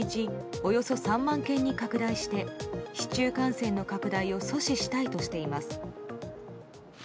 およそ３万件に拡大して市中感染の拡大を阻止したいとしています。